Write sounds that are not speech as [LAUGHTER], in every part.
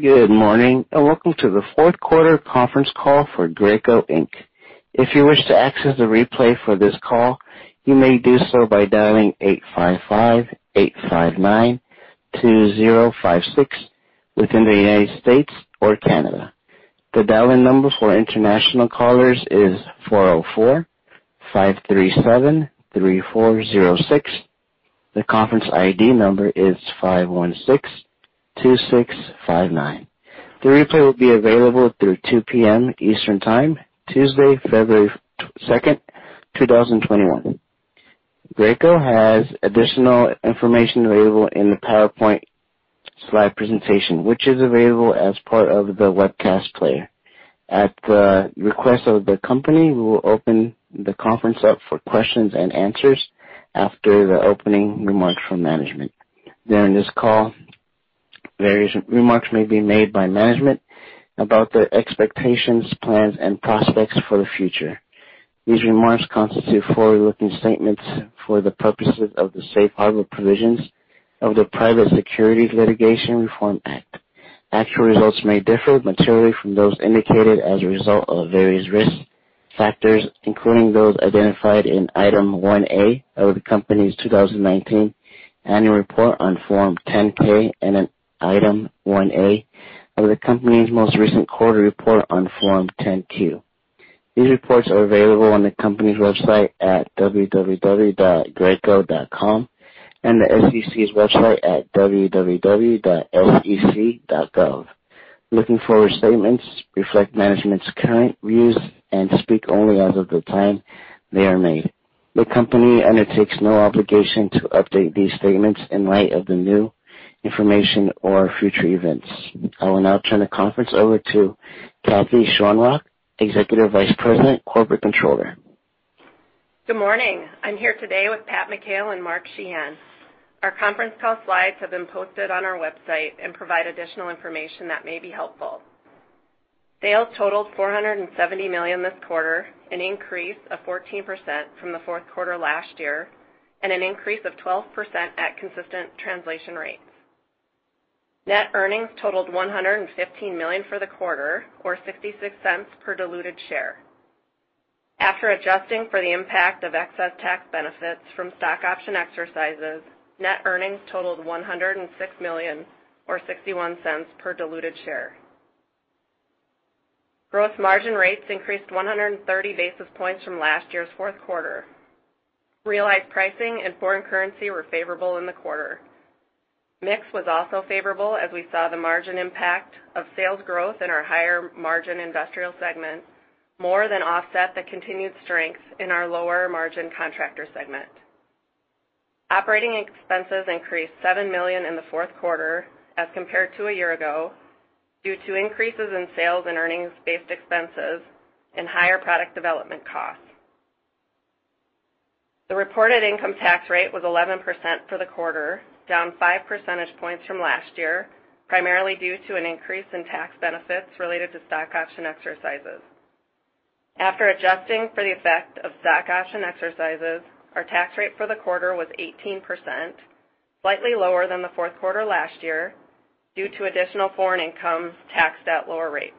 Good morning and welcome to the fourth quarter conference call for Graco Inc. If you wish to access the replay for this call, you may do so by dialing 855-859-2056 within the United States or Canada. The dialing number for international callers is 404-537-3406. The conference ID number is 516-2659. The replay will be available through 2:00 P.M. Eastern Time, Tuesday, February 2nd, 2021. Graco has additional information available in the PowerPoint slide presentation, which is available as part of the webcast player. At the request of the company, we will open the conference up for questions and answers after the opening remarks from management. During this call, various remarks may be made by management about their expectations, plans, and prospects for the future. These remarks constitute forward-looking statements for the purposes of the Safe Harbor Provisions of the Private Securities Litigation Reform Act. Actual results may differ materially from those indicated as a result of various risk factors, including those identified in Item 1A of the company's 2019 Annual Report on Form 10-K and in Item 1A of the company's most recent quarterly report on Form 10-Q. These reports are available on the company's website at www.graco.com and the SEC's website at www.sec.gov. Forward-looking statements reflect management's current views and speak only as of the time they are made. The company undertakes no obligation to update these statements in light of the new information or future events. I will now turn the conference over to Kathy Schoenrock, Executive Vice President, Corporate Controller. Good morning. I'm here today with Pat McHale and Mark Sheahan. Our conference call slides have been posted on our website and provide additional information that may be helpful. Sales totaled $470 million this quarter, an increase of 14% from the fourth quarter last year, and an increase of 12% at consistent translation rates. Net earnings totaled $115 million for the quarter, or $0.66 per diluted share. After adjusting for the impact of excess tax benefits from stock option exercises, net earnings totaled $106 million, or $0.61 per diluted share. Gross margin rates increased 130 basis points from last year's fourth quarter. Realized pricing in foreign currency were favorable in the quarter. Mix was also favorable as we saw the margin impact of sales growth in our higher margin industrial segment more than offset the continued strength in our lower margin contractor segment. Operating expenses increased $7 million in the fourth quarter as compared to a year ago due to increases in sales and earnings-based expenses and higher product development costs. The reported income tax rate was 11% for the quarter, down 5 percentage points from last year, primarily due to an increase in tax benefits related to stock option exercises. After adjusting for the effect of stock option exercises, our tax rate for the quarter was 18%, slightly lower than the fourth quarter last year due to additional foreign income taxed at lower rates.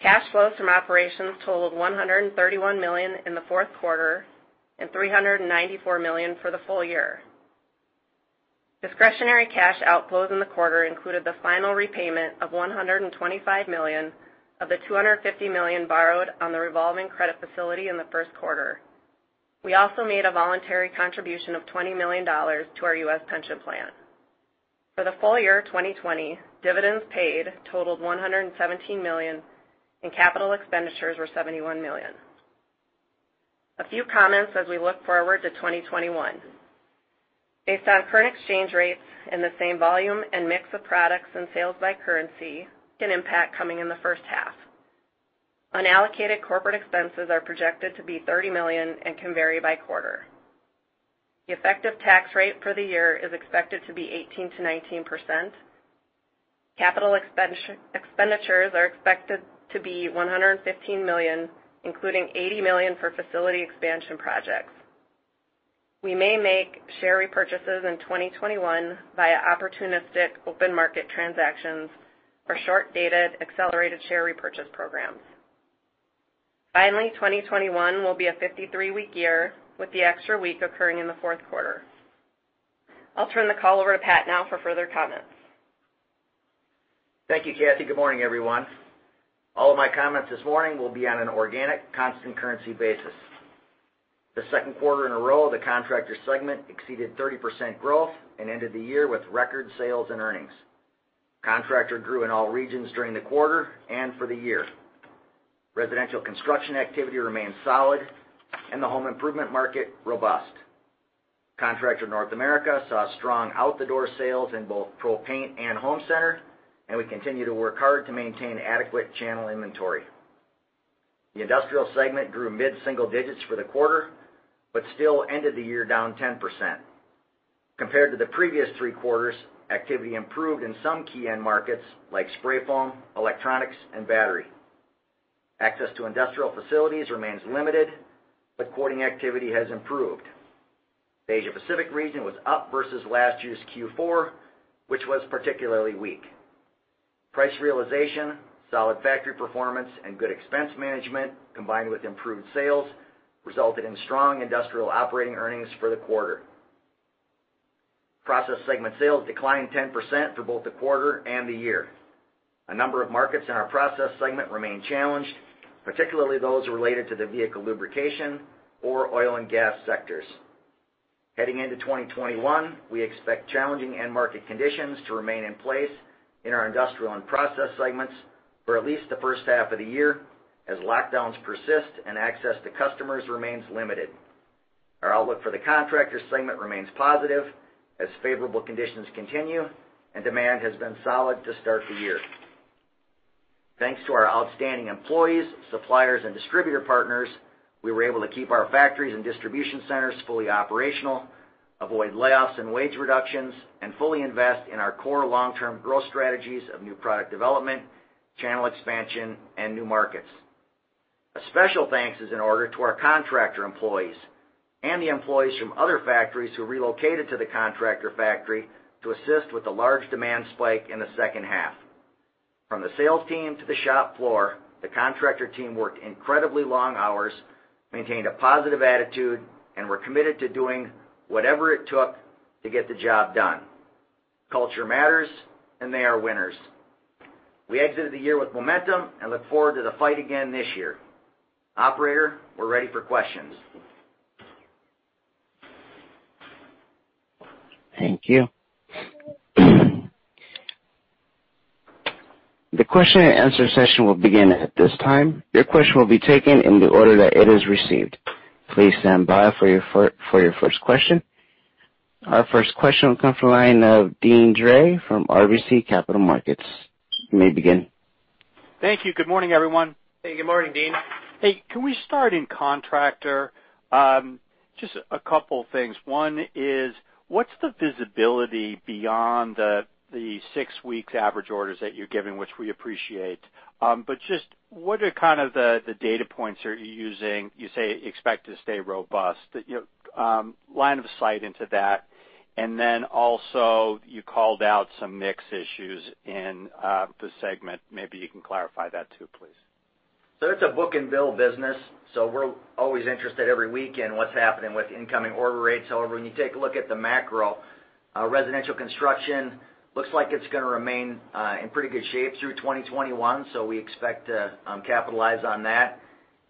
Cash flows from operations totaled $131 million in the fourth quarter and $394 million for the full year. Discretionary cash outflows in the quarter included the final repayment of $125 million of the $250 million borrowed on the revolving credit facility in the first quarter. We also made a voluntary contribution of $20 million to our U.S. Pension plan. For the full year 2020, dividends paid totaled $117 million, and capital expenditures were $71 million. A few comments as we look forward to 2021. Based on current exchange rates and the same volume and mix of products and sales by currency, an impact coming in the first half. Unallocated corporate expenses are projected to be $30 million and can vary by quarter. The effective tax rate for the year is expected to be 18%-19%. Capital expenditures are expected to be $115 million, including $80 million for facility expansion projects. We may make share repurchases in 2021 via opportunistic open market transactions for short-dated accelerated share repurchase programs. Finally, 2021 will be a 53-week year with the extra week occurring in the fourth quarter. I'll turn the call over to Pat now for further comments. Thank you, Kathy. Good morning, everyone. All of my comments this morning will be on an organic, constant currency basis. The second quarter in a row, the contractor segment exceeded 30% growth and ended the year with record sales and earnings. Contractor grew in all regions during the quarter and for the year. Residential construction activity remained solid and the home improvement market robust. Contractor North America saw strong out-the-door sales in both ProPaint and Home Center, and we continue to work hard to maintain adequate channel inventory. The industrial segment grew mid-single digits for the quarter but still ended the year down 10%. Compared to the previous three quarters, activity improved in some key end markets like spray foam, electronics, and battery. Access to industrial facilities remains limited, but quoting activity has improved. The Asia-Pacific region was up versus last year's Q4, which was particularly weak. Price realization, solid factory performance, and good expense management combined with improved sales resulted in strong Industrial operating earnings for the quarter. Process segment sales declined 10% for both the quarter and the year. A number of markets in our Process segment remain challenged, particularly those related to the vehicle lubrication or oil and gas sectors. Heading into 2021, we expect challenging end market conditions to remain in place in our Industrial and Process segments for at least the first half of the year as lockdowns persist and access to customers remains limited. Our outlook for the Contractor segment remains positive as favorable conditions continue and demand has been solid to start the year. Thanks to our outstanding employees, suppliers, and distributor partners, we were able to keep our factories and distribution centers fully operational, avoid layoffs and wage reductions, and fully invest in our core long-term growth strategies of new product development, channel expansion, and new markets. A special thanks is in order to our contractor employees and the employees from other factories who relocated to the contractor factory to assist with the large demand spike in the second half. From the sales team to the shop floor, the contractor team worked incredibly long hours, maintained a positive attitude, and were committed to doing whatever it took to get the job done. Culture matters, and they are winners. We exited the year with momentum and look forward to the fight again this year. Operator, we're ready for questions. Thank you. The question and answer session will begin at this time. Your question will be taken in the order that it is received. Please stand by for your first question. Our first question will come from the line of Deane Dray from RBC Capital Markets. You may begin. Thank you. Good morning, everyone. Hey, good morning, Deane. Hey, can we start in Contractor? Just a couple of things. One is, what's the visibility beyond the six-week average orders that you're giving, which we appreciate? But just what are kind of the data points that you're using? You say expect to stay robust. Line of sight into that. And then also you called out some mix issues in the segment. Maybe you can clarify that too, please. It's a book and bill business. We're always interested every week in what's happening with incoming order rates. However, when you take a look at the macro, residential construction looks like it's going to remain in pretty good shape through 2021. We expect to capitalize on that.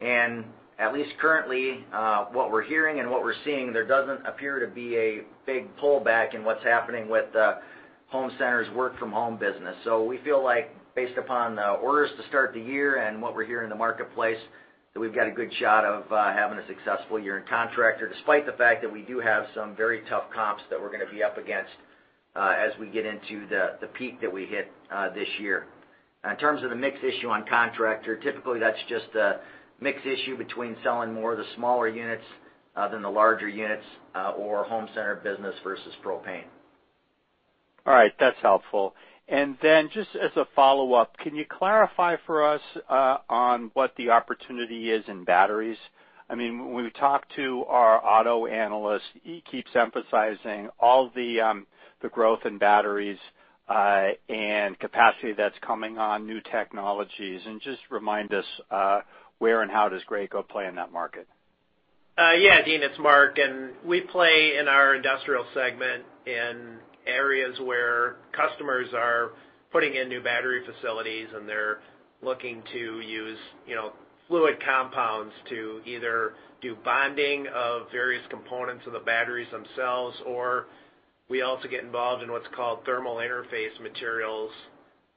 And at least currently, what we're hearing and what we're seeing, there doesn't appear to be a big pullback in what's happening with the home centers' work-from-home business. We feel like, based upon the orders to start the year and what we're hearing in the marketplace, that we've got a good shot of having a successful year in Contractor, despite the fact that we do have some very tough comps that we're going to be up against as we get into the peak that we hit this year. In terms of the mix issue on contractor, typically that's just a mix issue between selling more of the smaller units than the larger units or home center business versus ProPaint. All right. That's helpful. And then just as a follow-up, can you clarify for us on what the opportunity is in batteries? I mean, when we talk to our auto analyst, he keeps emphasizing all the growth in batteries and capacity that's coming on new technologies. And just remind us, where and how does Graco play in that market? Yeah, Deane, it's Mark, and we play in our Industrial segment in areas where customers are putting in new battery facilities and they're looking to use fluid compounds to either do bonding of various components of the batteries themselves, or we also get involved in what's called thermal interface materials,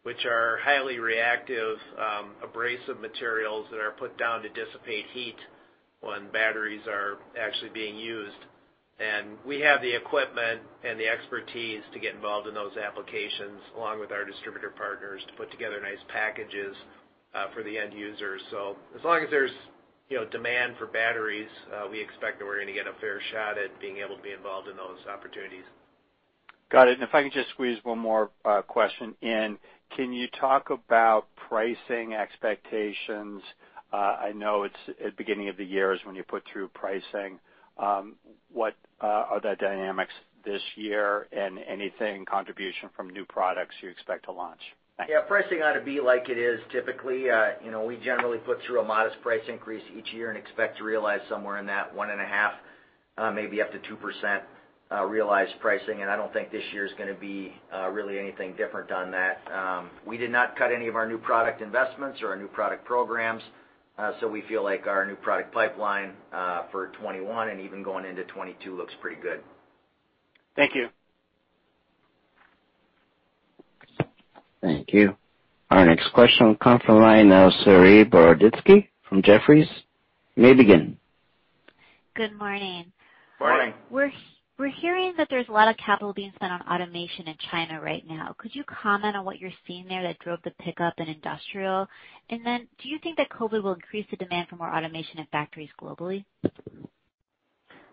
which are highly reactive, abrasive materials that are put down to dissipate heat when batteries are actually being used, and we have the equipment and the expertise to get involved in those applications along with our distributor partners to put together nice packages for the end users, so as long as there's demand for batteries, we expect that we're going to get a fair shot at being able to be involved in those opportunities. Got it. And if I could just squeeze one more question in, can you talk about pricing expectations? I know it's at the beginning of the year is when you put through pricing. What are the dynamics this year and anything contribution from new products you expect to launch? Yeah, pricing ought to be like it is typically. We generally put through a modest price increase each year and expect to realize somewhere in that 1.5%, maybe up to 2% realized pricing. And I don't think this year is going to be really anything different on that. We did not cut any of our new product investments or our new product programs. So we feel like our new product pipeline for 2021 and even going into 2022 looks pretty good. Thank you. Thank you. Our next question will come from Saree Boroditsky from Jefferies. You may begin. Good morning. Morning. [CROSSTALK] We're hearing that there's a lot of capital being spent on automation in China right now. Could you comment on what you're seeing there that drove the pickup in industrial? And then do you think that COVID will increase the demand for more automation in factories globally?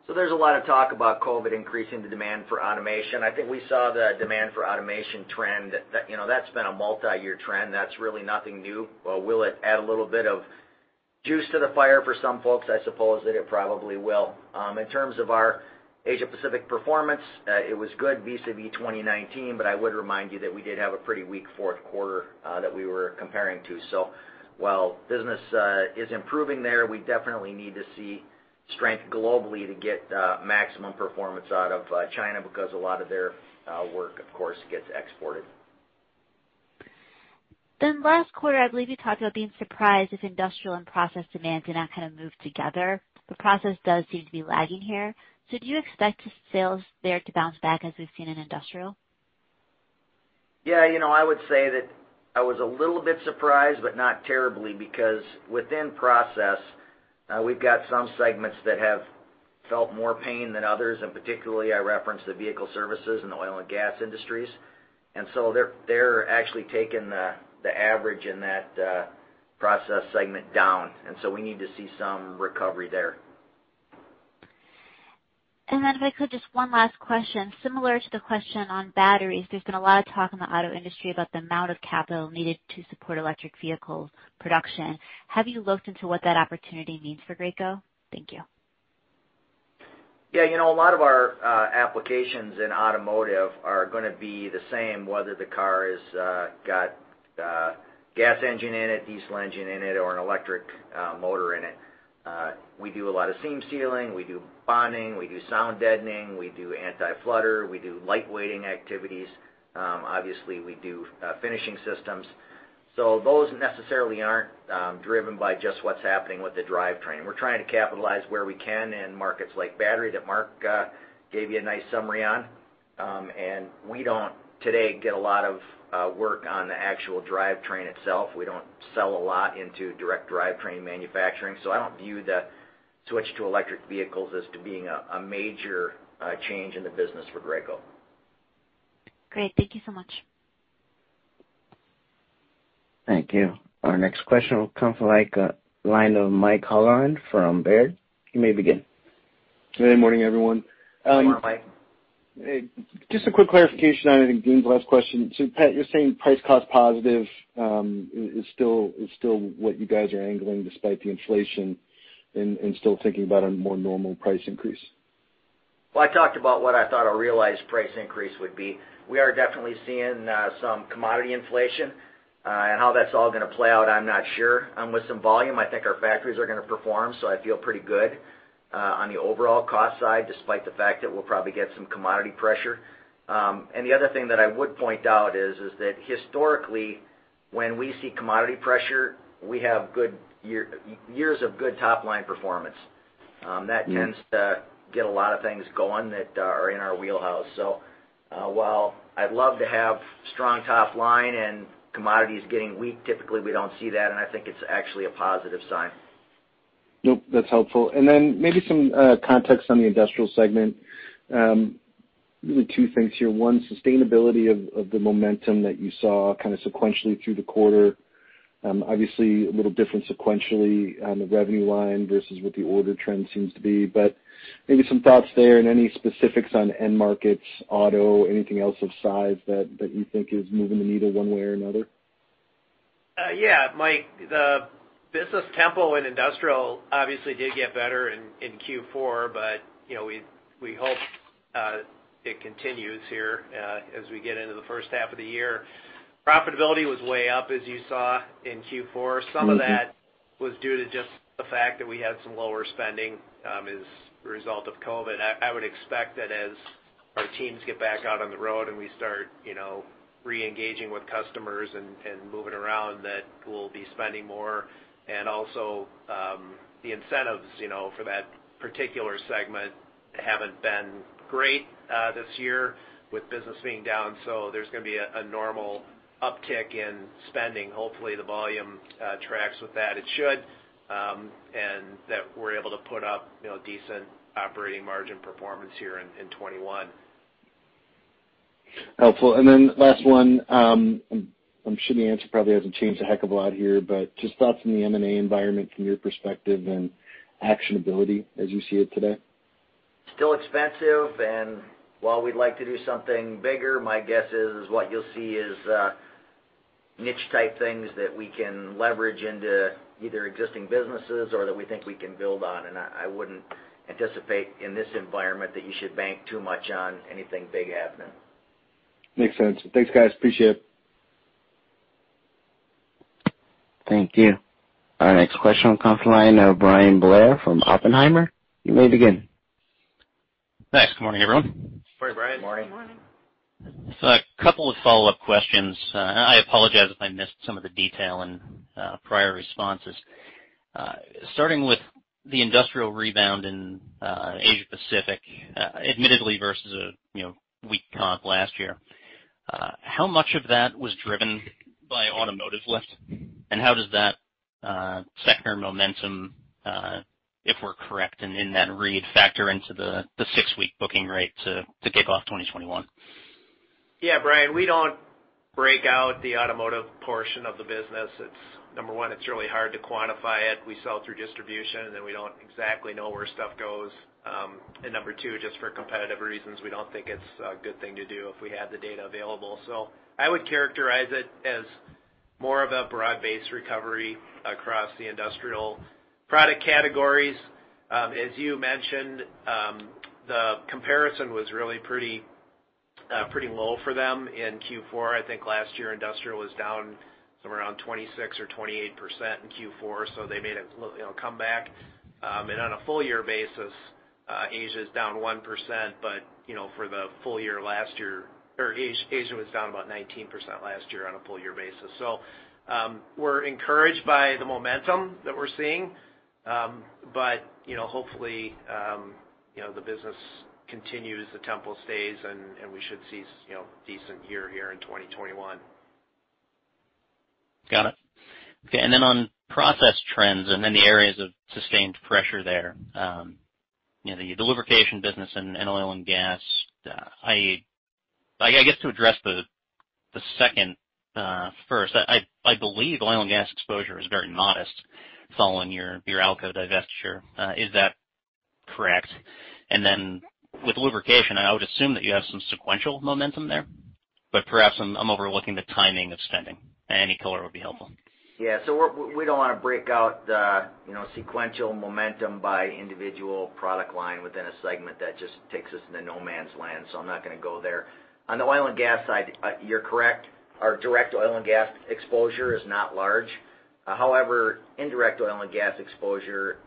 So there's a lot of talk about COVID increasing the demand for automation. I think we saw the demand for automation trend that's been a multi-year trend. That's really nothing new. Will it add a little bit of juice to the fire for some folks? I suppose that it probably will. In terms of our Asia-Pacific performance, it was good vis-à-vis 2019, but I would remind you that we did have a pretty weak fourth quarter that we were comparing to. So while business is improving there, we definitely need to see strength globally to get maximum performance out of China because a lot of their work, of course, gets exported. Then last quarter, I believe you talked about being surprised if industrial and process demands did not kind of move together. The process does seem to be lagging here. So do you expect sales there to bounce back as we've seen in industrial? Yeah, I would say that I was a little bit surprised, but not terribly, because within Process, we've got some segments that have felt more pain than others. And particularly, I referenced the vehicle services and the oil and gas industries. And so they're actually taking the average in that Process segment down. And so we need to see some recovery there. And then if I could, just one last question. Similar to the question on batteries, there's been a lot of talk in the auto industry about the amount of capital needed to support electric vehicle production. Have you looked into what that opportunity means for Graco? Thank you. Yeah, a lot of our applications in automotive are going to be the same, whether the car has got a gas engine in it, diesel engine in it, or an electric motor in it. We do a lot of seam sealing. We do bonding. We do sound deadening. We do anti-flutter. We do lightweighting activities. Obviously, we do finishing systems. So those necessarily aren't driven by just what's happening with the drivetrain. We're trying to capitalize where we can in markets like battery that Mark gave you a nice summary on. And we don't today get a lot of work on the actual drivetrain itself. We don't sell a lot into direct drivetrain manufacturing. So I don't view the switch to electric vehicles as being a major change in the business for Graco. Great. Thank you so much. Thank you. Our next question will come from Mike Halloran from Baird. You may begin. Good morning, everyone. Hey, Mike. Just a quick clarification on, I think, Deane's last question. So Pat, you're saying price cost positive is still what you guys are angling despite the inflation and still thinking about a more normal price increase? I talked about what I thought a realized price increase would be. We are definitely seeing some commodity inflation. How that's all going to play out, I'm not sure. With some volume, I think our factories are going to perform. I feel pretty good on the overall cost side, despite the fact that we'll probably get some commodity pressure. The other thing that I would point out is that historically, when we see commodity pressure, we have years of good top-line performance. That tends to get a lot of things going that are in our wheelhouse. While I'd love to have strong top-line and commodities getting weak, typically we don't see that. I think it's actually a positive sign. That's helpful. And then maybe some context on the Industrial segment. Really two things here. One, sustainability of the momentum that you saw kind of sequentially through the quarter. Obviously, a little different sequentially on the revenue line versus what the order trend seems to be. But maybe some thoughts there and any specifics on end markets, auto, anything else of size that you think is moving the needle one way or another? Yeah, Mike, the business tempo in industrial obviously did get better in Q4, but we hope it continues here as we get into the first half of the year. Profitability was way up, as you saw in Q4. Some of that was due to just the fact that we had some lower spending as a result of COVID. I would expect that as our teams get back out on the road and we start re-engaging with customers and moving around, that we'll be spending more. And also, the incentives for that particular segment haven't been great this year with business being down. So there's going to be a normal uptick in spending. Hopefully, the volume tracks with that. It should. And that we're able to put up decent operating margin performance here in 2021. Helpful. And then last one. I'm sure the answer probably hasn't changed a heck of a lot here, but just thoughts in the M&A environment from your perspective and actionability as you see it today? Still expensive. And while we'd like to do something bigger, my guess is what you'll see is niche-type things that we can leverage into either existing businesses or that we think we can build on. And I wouldn't anticipate in this environment that you should bank too much on anything big happening. Makes sense. Thanks, guys. Appreciate it. Thank you. Our next question will come from Bryan Blair from Oppenheimer. You may begin. Thanks. Good morning, everyone. Morning, Bryan. Good morning. So a couple of follow-up questions. I apologize if I missed some of the detail in prior responses. Starting with the industrial rebound in Asia-Pacific, admittedly versus a weak comp last year, how much of that was driven by automotive lift? And how does that sector momentum, if we're correct in that read, factor into the six-week booking rate to kick off 2021? Yeah, Bryan, we don't break out the automotive portion of the business. Number one, it's really hard to quantify it. We sell through distribution, and then we don't exactly know where stuff goes. And number two, just for competitive reasons, we don't think it's a good thing to do if we had the data available. So I would characterize it as more of a broad-based recovery across the industrial product categories. As you mentioned, the comparison was really pretty low for them in Q4. I think last year, industrial was down somewhere around 26% or 28% in Q4. So they made a little come back. And on a full-year basis, Asia is down 1%. But for the full year last year, Asia was down about 19% last year on a full-year basis. So we're encouraged by the momentum that we're seeing. But hopefully, the business continues, the tempo stays, and we should see a decent year here in 2021. Got it. Okay. And then on process trends and then the areas of sustained pressure there, the lubrication business and oil and gas, I guess to address the second first, I believe oil and gas exposure is very modest following your ALCO divestiture. Is that correct? And then with lubrication, I would assume that you have some sequential momentum there. But perhaps I'm overlooking the timing of spending. Any color would be helpful. Yeah. So we don't want to break out the sequential momentum by individual product line within a segment. That just takes us into no-man's land. So I'm not going to go there. On the oil and gas side, you're correct. Our direct oil and gas exposure is not large. However, indirect oil and gas exposure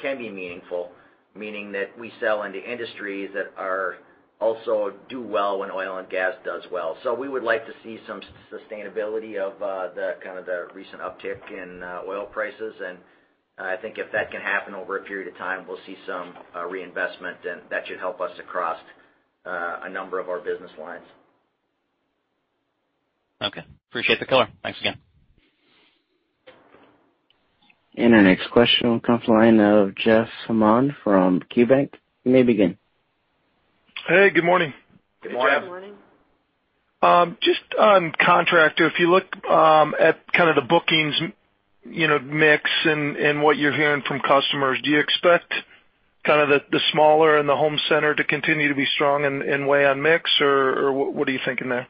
can be meaningful, meaning that we sell into industries that also do well when oil and gas does well. So we would like to see some sustainability of kind of the recent uptick in oil prices. And I think if that can happen over a period of time, we'll see some reinvestment. And that should help us across a number of our business lines. Okay. Appreciate the color. Thanks again. And our next question will come from Jeff Hammond from KeyBanc. You may begin. Hey, good morning. Good morning. Good morning. Just on Contractor, if you look at kind of the bookings mix and what you're hearing from customers, do you expect kind of the smaller and the home center to continue to be strong and weigh on mix, or what are you thinking there?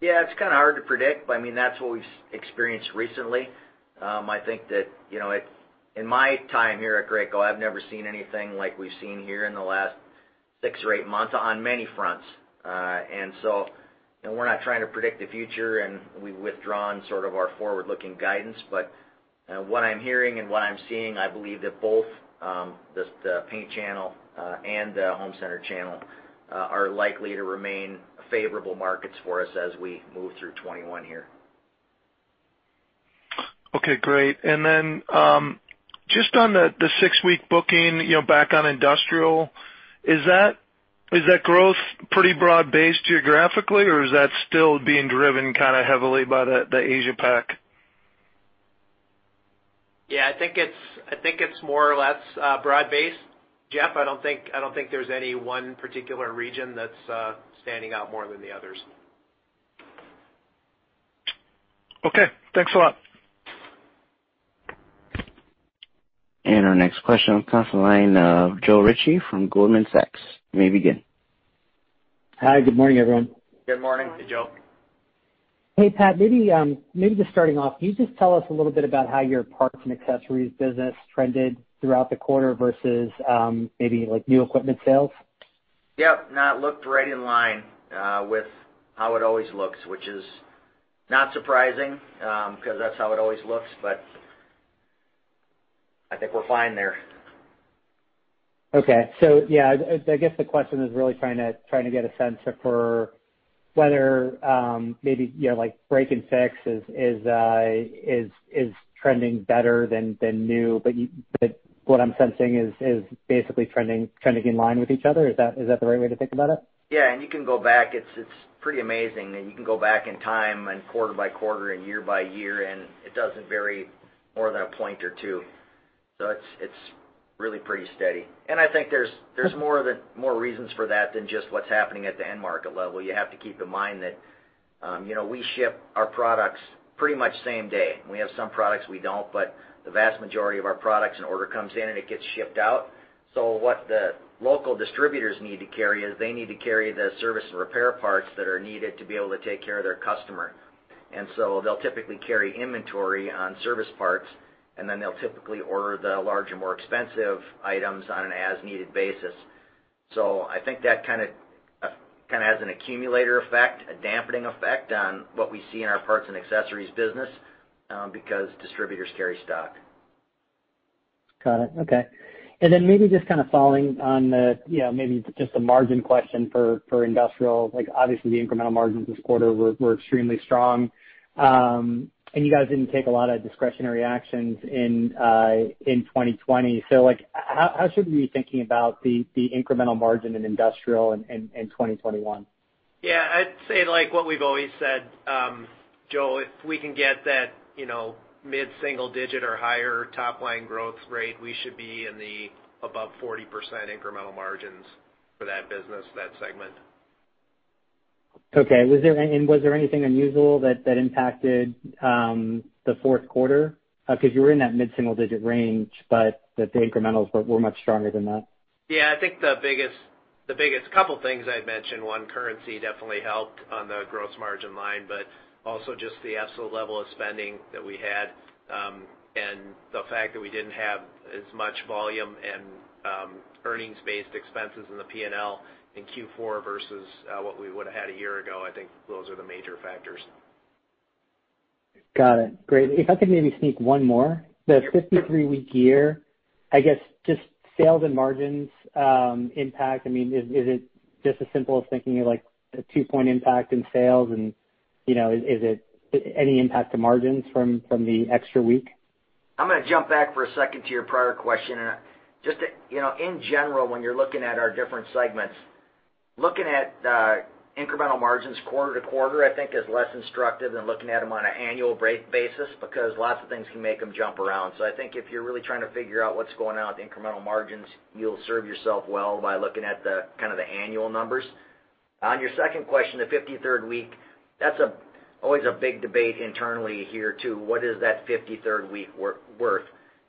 Yeah, it's kind of hard to predict. I mean, that's what we've experienced recently. I think that in my time here at Graco, I've never seen anything like we've seen here in the last six or eight months on many fronts. And so we're not trying to predict the future, and we've withdrawn sort of our forward-looking guidance. But what I'm hearing and what I'm seeing, I believe that both the paint channel and the home center channel are likely to remain favorable markets for us as we move through 2021 here. Okay, great. And then just on the six-week booking back on industrial, is that growth pretty broad-based geographically, or is that still being driven kind of heavily by the Asia-Pac? Yeah, I think it's more or less broad-based. Jeff, I don't think there's any one particular region that's standing out more than the others. Okay. Thanks a lot. Our next question will come from Joe Ritchie from Goldman Sachs. You may begin. Hi, good morning, everyone. Good morning. Hey, Joe. [CROSSTALK] Hey, Pat. Maybe just starting off, can you just tell us a little bit about how your parts and accessories business trended throughout the quarter versus maybe new equipment sales? Yep, it looks right in line with how it always looks, which is not surprising because that's how it always looks. But I think we're fine there. Okay. So yeah, I guess the question is really trying to get a sense for whether maybe break and fix is trending better than new. But what I'm sensing is basically trending in line with each other. Is that the right way to think about it? Yeah. And you can go back. It's pretty amazing that you can go back in time and quarter by quarter and year by year, and it doesn't vary more than a point or two. So it's really pretty steady. And I think there's more reasons for that than just what's happening at the end market level. You have to keep in mind that we ship our products pretty much same day. We have some products we don't. But the vast majority of our products, an order comes in, and it gets shipped out. So what the local distributors need to carry is they need to carry the service and repair parts that are needed to be able to take care of their customer. And so they'll typically carry inventory on service parts, and then they'll typically order the larger more expensive items on an as-needed basis. So I think that kind of has an accumulator effect, a dampening effect on what we see in our parts and accessories business because distributors carry stock. Got it. Okay, and then maybe just kind of following on maybe just a margin question for Industrial. Obviously, the incremental margins this quarter were extremely strong, and you guys didn't take a lot of discretionary actions in 2020, so how should we be thinking about the incremental margin in Industrial in 2021? Yeah. I'd say like what we've always said, Joe, if we can get that mid-single digit or higher top-line growth rate, we should be in the above 40% incremental margins for that business, that segment. Okay. And was there anything unusual that impacted the fourth quarter? Because you were in that mid-single digit range, but the incrementals were much stronger than that. Yeah. I think the biggest couple of things I'd mentioned, one, currency definitely helped on the gross margin line, but also just the absolute level of spending that we had and the fact that we didn't have as much volume and earnings-based expenses in the P&L in Q4 versus what we would have had a year ago. I think those are the major factors. Got it. Great. If I could maybe sneak one more, the 53-week year, I guess just sales and margins impact. I mean, is it just as simple as thinking of a two-point impact in sales? And is it any impact to margins from the extra week? I'm going to jump back for a second to your prior question. Just in general, when you're looking at our different segments, looking at incremental margins quarter to quarter, I think, is less instructive than looking at them on an annual basis because lots of things can make them jump around. So I think if you're really trying to figure out what's going on with incremental margins, you'll serve yourself well by looking at kind of the annual numbers. On your second question, the 53rd week, that's always a big debate internally here too. What is that 53rd week worth?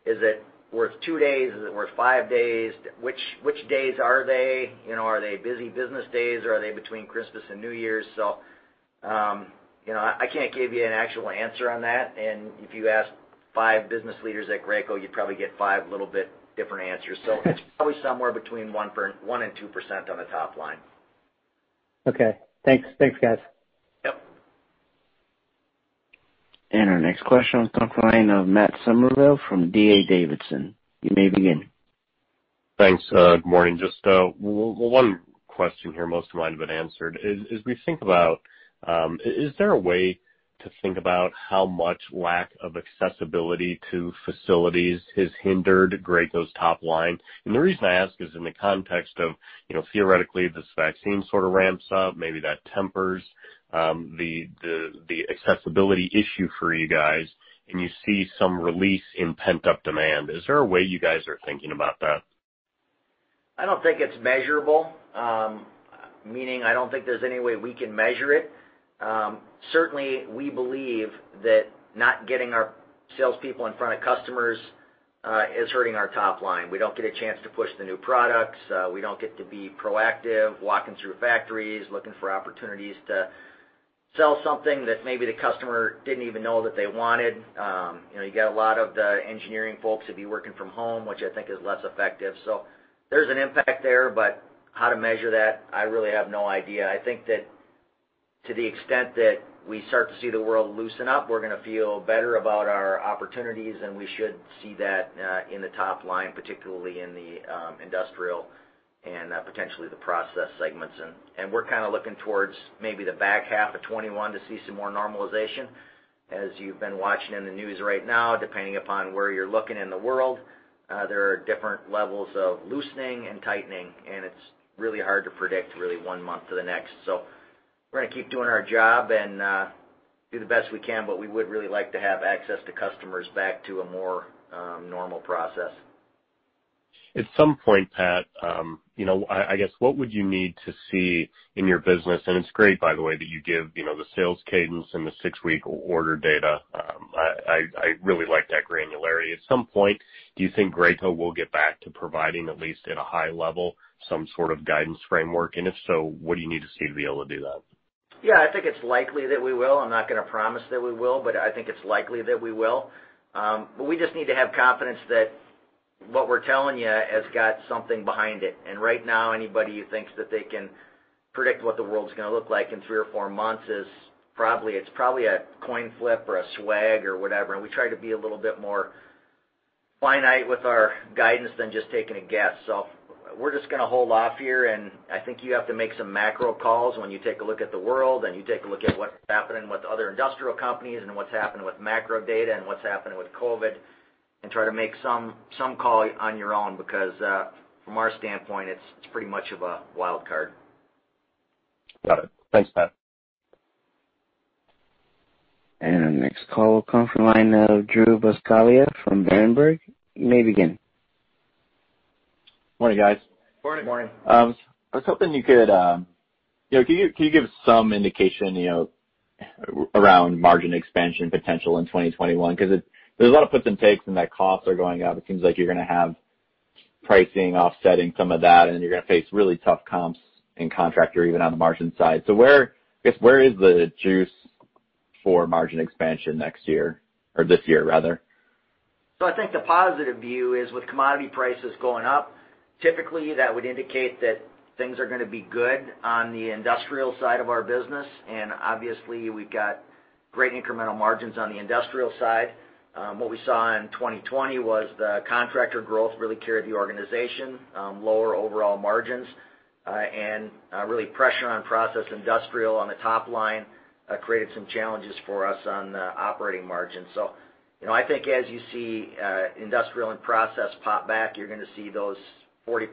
Is it worth two days? Is it worth five days? Which days are they? Are they busy business days, or are they between Christmas and New Year's? So I can't give you an actual answer on that. If you ask five business leaders at Graco, you'd probably get five a little bit different answers. It's probably somewhere between 1% and 2% on the top line. Okay. Thanks, guys. Yep. Our next question will come from Matt Summerville from D.A. Davidson. You may begin. Thanks. Good morning. Just one question here, most of mine have been answered. As we think about, is there a way to think about how much lack of accessibility to facilities has hindered Graco's top line? And the reason I ask is in the context of theoretically this vaccine sort of ramps up, maybe that tempers the accessibility issue for you guys, and you see some release in pent-up demand. Is there a way you guys are thinking about that? I don't think it's measurable, meaning I don't think there's any way we can measure it. Certainly, we believe that not getting our salespeople in front of customers is hurting our top line. We don't get a chance to push the new products. We don't get to be proactive, walking through factories, looking for opportunities to sell something that maybe the customer didn't even know that they wanted. You got a lot of the engineering folks to be working from home, which I think is less effective. So there's an impact there. But how to measure that, I really have no idea. I think that to the extent that we start to see the world loosen up, we're going to feel better about our opportunities. And we should see that in the top line, particularly in the industrial and potentially the process segments. We're kind of looking towards maybe the back half of 2021 to see some more normalization. As you've been watching in the news right now, depending upon where you're looking in the world, there are different levels of loosening and tightening. And it's really hard to predict really one month to the next. So we're going to keep doing our job and do the best we can. But we would really like to have access to customers back to a more normal process. At some point, Pat, I guess what would you need to see in your business? And it's great, by the way, that you give the sales cadence and the six-week order data. I really like that granularity. At some point, do you think Graco will get back to providing, at least at a high level, some sort of guidance framework? And if so, what do you need to see to be able to do that? Yeah. I think it's likely that we will. I'm not going to promise that we will, but I think it's likely that we will. But we just need to have confidence that what we're telling you has got something behind it. And right now, anybody who thinks that they can predict what the world's going to look like in three or four months, it's probably a coin flip or a swag or whatever. And we try to be a little bit more finite with our guidance than just taking a guess. So we're just going to hold off here. I think you have to make some macro calls when you take a look at the world and you take a look at what's happening with other industrial companies and what's happening with macro data and what's happening with COVID and try to make some call on your own because from our standpoint, it's pretty much of a wild card. Got it. Thanks, Pat. Our next call will come from Andrew Buscaglia from Berenberg. You may begin. Morning, guys. Morning. [CROSSTALK] Morning. Can you give some indication around margin expansion potential in 2021? Because there's a lot of puts and takes and that costs are going up. It seems like you're going to have pricing offsetting some of that. And then you're going to face really tough comps and contractor even on the margin side. So I guess where is the juice for margin expansion next year or this year, rather? So I think the positive view is with commodity prices going up, typically that would indicate that things are going to be good on the industrial side of our business. And obviously, we've got great incremental margins on the industrial side. What we saw in 2020 was the contractor growth really carried the organization, lower overall margins. And really pressure on process and industrial on the top line created some challenges for us on the operating margins. So I think as you see industrial and process pop back, you're going to see those 40%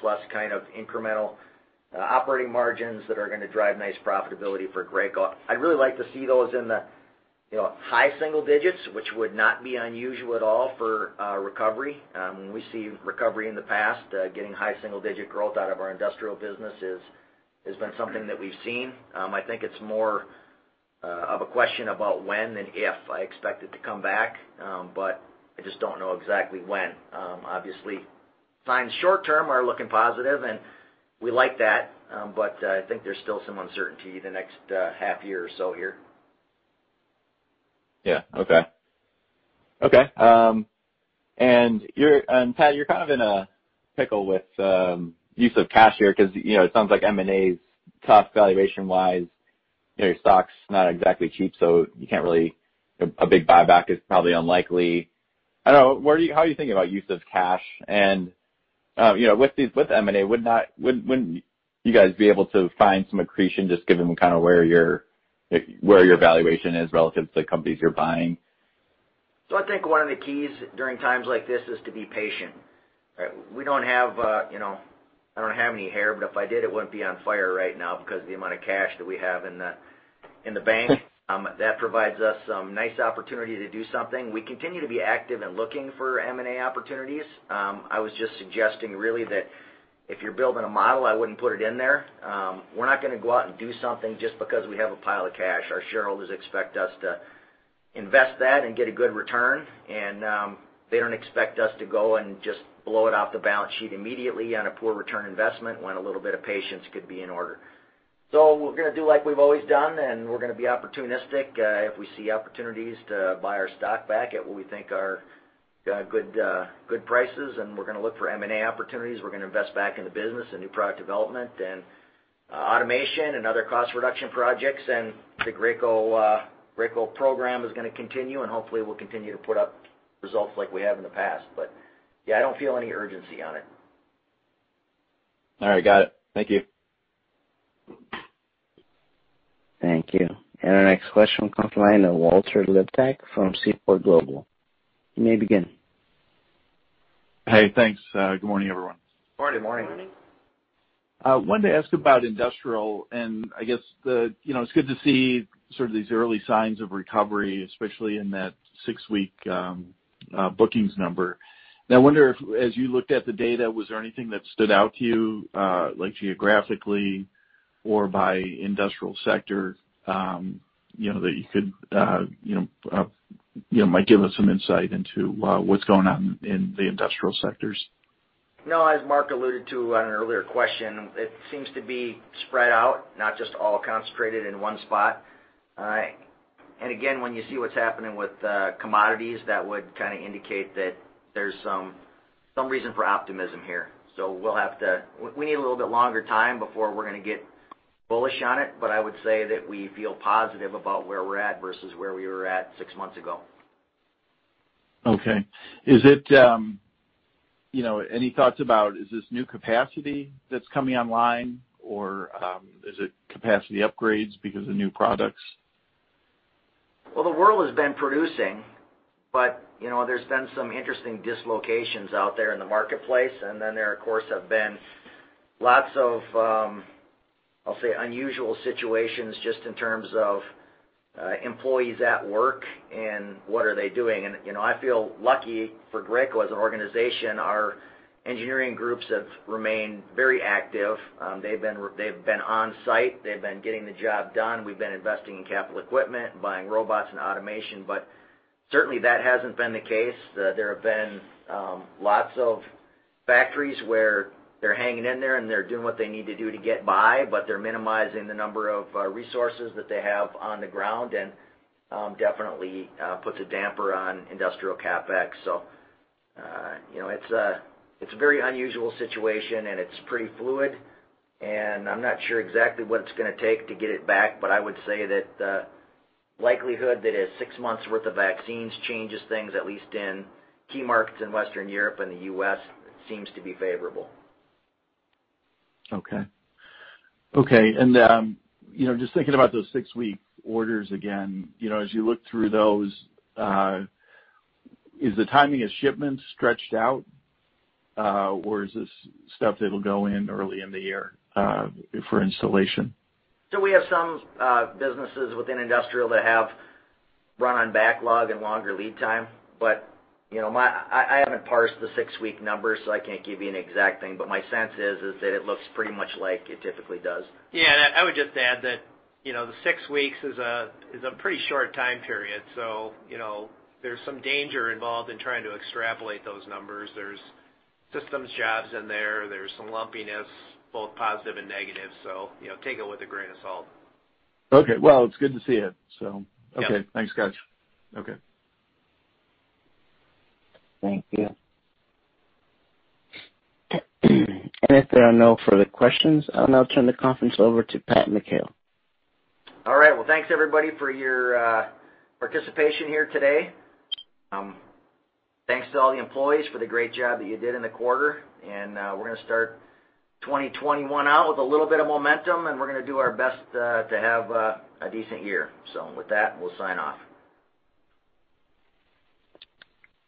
plus kind of incremental operating margins that are going to drive nice profitability for Graco. I'd really like to see those in the high single digits, which would not be unusual at all for recovery. We see recovery in the past. Getting high single-digit growth out of our industrial business has been something that we've seen. I think it's more of a question about when than if. I expect it to come back, but I just don't know exactly when. Obviously, signs short term are looking positive, and we like that. But I think there's still some uncertainty the next half year or so here. Yeah. Okay. Okay. And Pat, you're kind of in a pickle with use of cash here because it sounds like M&A is tough valuation-wise. Your stock's not exactly cheap, so you can't really a big buyback is probably unlikely. I don't know. How are you thinking about use of cash? And with M&A, wouldn't you guys be able to find some accretion just given kind of where your valuation is relative to companies you're buying? I think one of the keys during times like this is to be patient. I don't have any hair, but if I did, it wouldn't be on fire right now because of the amount of cash that we have in the bank. That provides us some nice opportunity to do something. We continue to be active and looking for M&A opportunities. I was just suggesting really that if you're building a model, I wouldn't put it in there. We're not going to go out and do something just because we have a pile of cash. Our shareholders expect us to invest that and get a good return. And they don't expect us to go and just blow it off the balance sheet immediately on a poor return investment when a little bit of patience could be in order. So we're going to do like we've always done, and we're going to be opportunistic. If we see opportunities to buy our stock back at what we think are good prices, and we're going to look for M&A opportunities, we're going to invest back in the business and new product development and automation and other cost reduction projects. And the Graco program is going to continue, and hopefully, we'll continue to put up results like we have in the past. But yeah, I don't feel any urgency on it. All right. Got it. Thank you. Thank you. And our next question will come from Walter Liptak from Seaport Global. You may begin. Hey. Thanks. Good morning, everyone. Morning. Morning. I wanted to ask about industrial. I guess it's good to see sort of these early signs of recovery, especially in that six-week bookings number. I wonder if, as you looked at the data, was there anything that stood out to you geographically or by industrial sector that you could give us some insight into what's going on in the industrial sectors? No. As Mark alluded to on an earlier question, it seems to be spread out, not just all concentrated in one spot. And again, when you see what's happening with commodities, that would kind of indicate that there's some reason for optimism here. So we'll have to. We need a little bit longer time before we're going to get bullish on it. But I would say that we feel positive about where we're at versus where we were at six months ago. Okay. Any thoughts about this new capacity that's coming online, or is it capacity upgrades because of new products? The world has been producing, but there's been some interesting dislocations out there in the marketplace, and then there, of course, have been lots of, I'll say, unusual situations just in terms of employees at work and what are they doing, and I feel lucky for Graco as an organization. Our engineering groups have remained very active. They've been on-site. They've been getting the job done. We've been investing in capital equipment, buying robots and automation, but certainly, that hasn't been the case. There have been lots of factories where they're hanging in there, and they're doing what they need to do to get by, but they're minimizing the number of resources that they have on the ground and definitely puts a damper on industrial CapEx, so it's a very unusual situation, and it's pretty fluid. I'm not sure exactly what it's going to take to get it back, but I would say that the likelihood that a six-month's worth of vaccines changes things, at least in key markets in Western Europe and the U.S., seems to be favorable. Okay. Okay. And just thinking about those six-week orders again, as you look through those, is the timing of shipments stretched out, or is this stuff that'll go in early in the year for installation? So we have some businesses within industrial that have run-on backlog and longer lead time. But I haven't parsed the six-week numbers, so I can't give you an exact thing. But my sense is that it looks pretty much like it typically does. Yeah. And I would just add that the six weeks is a pretty short time period. So there's some danger involved in trying to extrapolate those numbers. There's systems jobs in there. There's some lumpiness, both positive and negative. So take it with a grain of salt. Okay. Well, it's good to see it. So okay. Thanks, guys. Okay. Thank you, and if there are no further questions, I'll now turn the conference over to Pat McHale. All right. Well, thanks, everybody, for your participation here today. Thanks to all the employees for the great job that you did in the quarter. And we're going to start 2021 out with a little bit of momentum, and we're going to do our best to have a decent year. So with that, we'll sign off.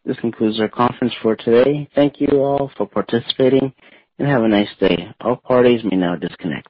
This concludes our conference for today. Thank you all for participating and have a nice day. All parties may now disconnect.